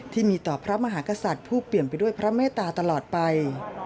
ที่มีต่อพระมหากษัตริย์ผู้เปลี่ยนไปด้วยพระเมตตาตลอดไป